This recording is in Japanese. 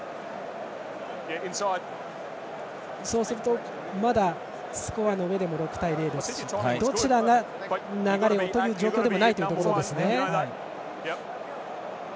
そうするとまだスコアの上でも６対０ですしどちらが流れをとる状況でもないですね。